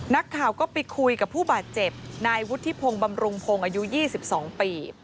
นักข่าวก็ไปคุยกับผู้บาดเจ็บนายวุฒิพงศ์บำรุงพงศ์อายุ๒๒ปี